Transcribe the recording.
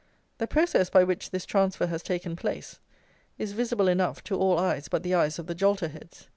The process by which this transfer has taken place is visible enough, to all eyes but the eyes of the jolterheads.